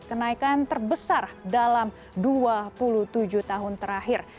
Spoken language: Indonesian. kenaikan terbesar dalam dua puluh tujuh tahun terakhir